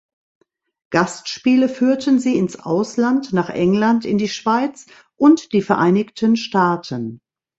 Gastspiele führten sie ins Ausland nach England, in die Schweiz und die Vereinigten Staaten.